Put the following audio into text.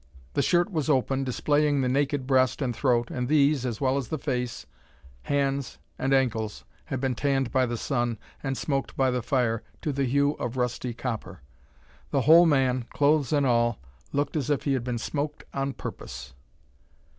The shirt was open, displaying the naked breast and throat, and these, as well as the face, hands, and ankles, had been tanned by the sun, and smoked by the fire, to the hue of rusty copper. The whole man, clothes and all, looked as if he had been smoked on purpose!